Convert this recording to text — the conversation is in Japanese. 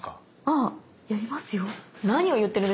あやりますよ。